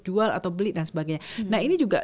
jual atau beli dan sebagainya nah ini juga